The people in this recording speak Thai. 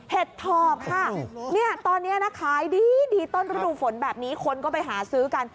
เห็ดถอบค่ะเนี่ยตอนนี้นะขายดีดีต้นฤดูฝนแบบนี้คนก็ไปหาซื้อกัน